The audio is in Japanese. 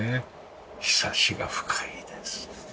ひさしが深いですね。